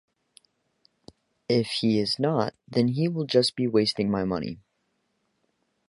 If he is not, then he will just be wasting my money.